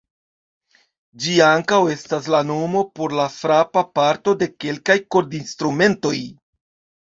Ĝi ankaŭ estas la nomo por la frapa parto de kelkaj kordinstrumentoj.